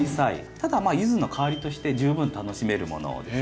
ただユズの代わりとして十分楽しめるものです。